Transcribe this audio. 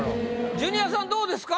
ジュニアさんどうですか？